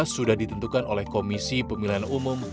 sudah ditentukan oleh komisi pemilihan umum